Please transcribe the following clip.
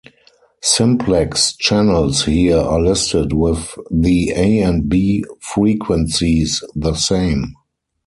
Simplex channels here are listed with the A and B frequencies the same.